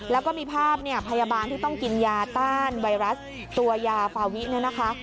แล้วก็มีภาพเนี่ยพยาบาลที่ต้องกินยาต้านไวรัสตัวยาฟาวิเนี่ยนะคะ